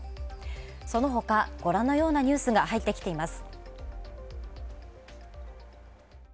そのほか、ご覧のニュースが入ってきています。